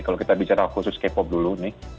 kalau kita bicara khusus k pop dulu nih